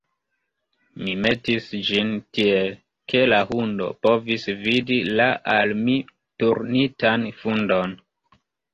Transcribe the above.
Mi metis ĝin tiel, ke la hundo povis vidi la al mi turnitan fundon.